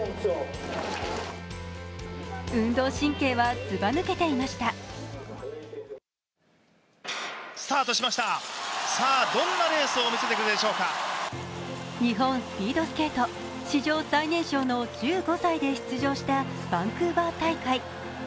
日本スピードスケート史上最年少の１５歳で出場したバンクーバー大会。